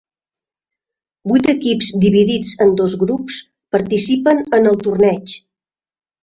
Vuit equips dividits en dos grups participen en el torneig.